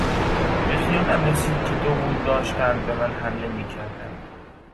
به خیالم رسید که دو غول داشتند به من حمله میکردند.